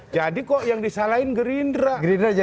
jadi kok yang disalahin girindra